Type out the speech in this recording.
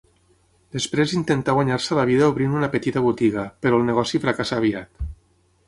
Després intentà guanyar-se la vida obrint una petita botiga, però el negoci fracassà aviat.